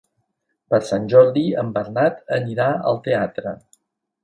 Per Sant Jordi en Bernat anirà al teatre.